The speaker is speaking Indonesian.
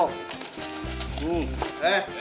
nah kita mulai